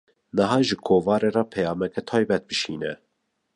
Niha, ji kovarê re peyameke taybet bişîne